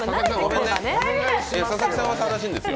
佐々木さんは正しいんですよ。